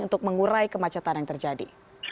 untuk mengurai kemacetan yang terjadi